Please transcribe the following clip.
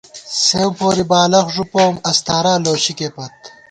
سېوں پوری بالَخ ݫُپَوُم ، اَستارا لوشِکے پت